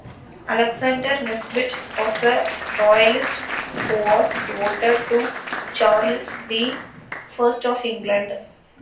Alexander Nesbit was a royalist who was devoted to Charles the First of England.